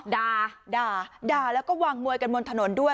ด่าด่าแล้วก็วางมวยกันบนถนนด้วย